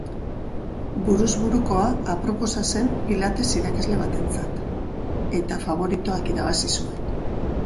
Buruz burukoa aproposa zen pilates irakasle batentzat, eta faboritoak irabazi zuen.